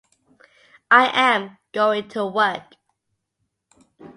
I am going to work.